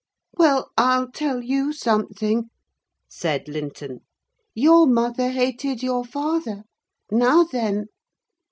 "Well, I'll tell you something!" said Linton. "Your mother hated your father: now then."